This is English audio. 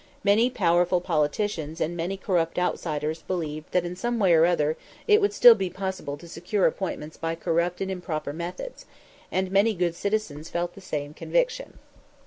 Many powerful politicians and many corrupt outsiders believed that in some way or other it would still be possible to secure appointments by corrupt and improper methods, and many good citizens felt the same conviction.